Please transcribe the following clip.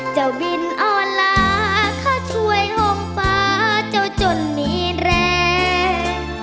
เจ้าบินออนลาเขาช่วยทงฟ้าเจ้าจนมีแรง